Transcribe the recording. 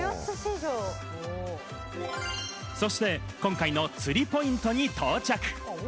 そして今回の釣りポイントに到着。